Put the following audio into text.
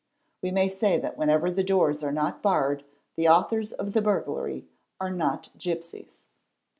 We may say that whenever the doors are not barred the authors of the burglary are not gipsies.